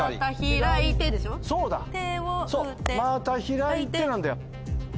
「またひらいて」なんだよ。